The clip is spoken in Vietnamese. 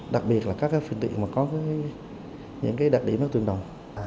đặc biệt là các phương tiện mà có những đặc điểm nó tương đồng